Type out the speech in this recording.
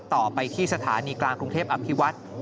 ต่อไปที่สถานีกลางกรุงเทพอภิวัฒน์